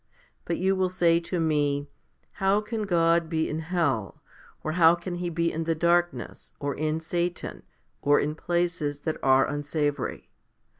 But you will say to me, " How can God be in hell ? or how can He be in the darkness, or in Satan, or in places that are unsavoury